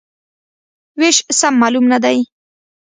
وېش سم معلوم نه دی.